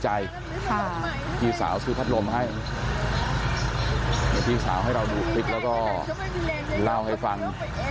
พี่สาวซื้อพัดลมให้พี่สาวให้เราดูคลิปแล้วก็เล่าให้ฟัง